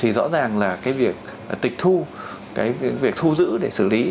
thì rõ ràng là cái việc tịch thu cái việc thu giữ để xử lý